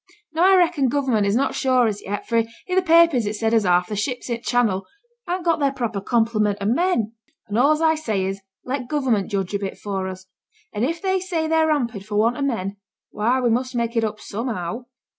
Now I reckon Government is not sure as yet, for i' the papers it said as half th' ships i' th' Channel hadn't got their proper complement o' men; and all as I say is, let Government judge a bit for us; and if they say they're hampered for want o' men, why we must make it up somehow.